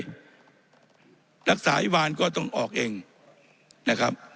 รักษาวิวาลก็ต้องออกเองนะครับ